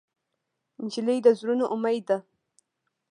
نجلۍ د زړونو امید ده.